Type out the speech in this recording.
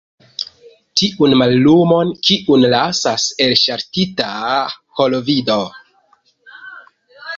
Tiun mallumon, kiun lasas elŝaltita holovido?